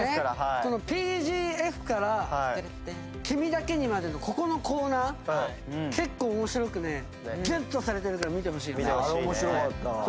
この『ＰＧＦ』から『君だけに』までのここのコーナー結構面白くねギュッとされてるから見てほしいよね。